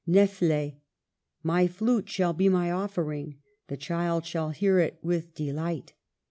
Nephele. My flutd shall be my offering ; The Child shall hear it with delight.